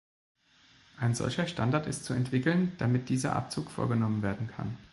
Ein solcher Standard ist zu entwickeln, damit dieser Abzug vorgenommen werden kann.